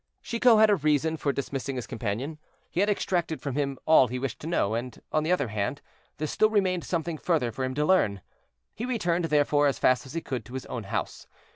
Chicot had a reason for dismissing his companion. He had extracted from him all he wished to know, and, on the other hand, there still remained something further for him to learn. He returned, therefore, as fast as he could to his own house.